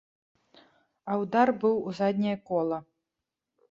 А ўдар быў у задняе кола.